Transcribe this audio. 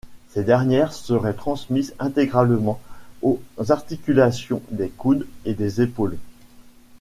Ces dernières seraient transmises intégralement aux articulations des coudes et des épaules.